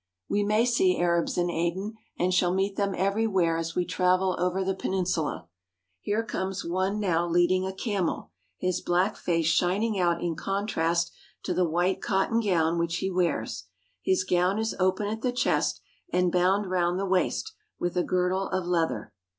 We may see Arabs in Aden, and shall meet them every where as we travel over the peninsula. Here comes one now leading a camel, his black face shining out in contrast to the white cotton gown which he wears. His gown is open at the chest and bound round the waist with a girdle of leather.